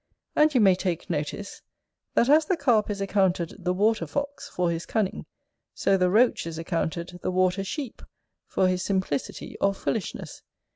And you may take notice, that as the Carp is accounted the water fox, for his cunning; so the Roach is accounted the water sheep, for his simplicity or foolishness.